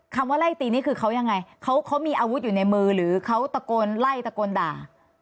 ว่าไล่ตีนี่คือเขายังไงเขามีอาวุธอยู่ในมือหรือเขาตะโกนไล่ตะโกนด่า